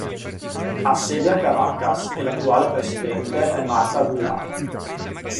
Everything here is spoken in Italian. Ha sede a Caracas e l'attuale presidente è Martha Aguilar.